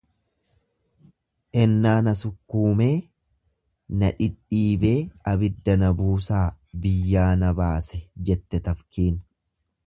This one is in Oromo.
Ennaa na sukkuumee, na dhidhiibee abidda na buusaa biyyaa na baase, jette tafkiin.